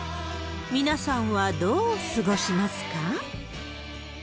皆さんはどう過ごしますか？